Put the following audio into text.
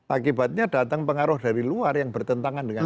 akibatnya datang pengaruh dari luar yang bertentangan dengan